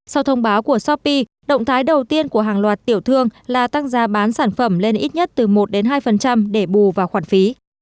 sau thông báo của shopee động thái đầu tiên của hàng loạt tiểu thương là tăng giá bán sản phẩm lên ít nhất từ một hai để bù vào khoản phí